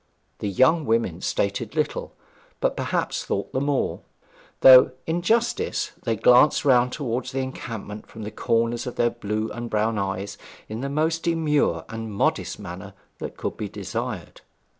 The young women stated little, but perhaps thought the more; though, in justice, they glanced round towards the encampment from the corners of their blue and brown eyes in the most demure and modest manner that could be desired.